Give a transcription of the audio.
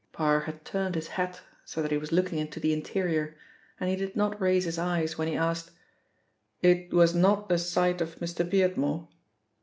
Parr had turned his hat so that he was looking into the interior, and he did not raise his eyes when he asked: "It was not the sight of Mr. Beardmore?"